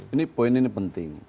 ini poin ini penting